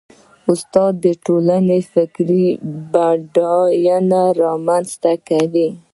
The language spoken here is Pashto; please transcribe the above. استاد د ټولنې فکري بډاینه رامنځته کوي.